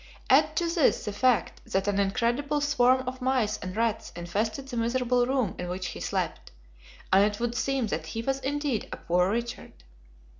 Add to this the fact that an incredible swarm of mice and rats infested the miserable room in which he slept, and it would seem that he was indeed a "poor Richard."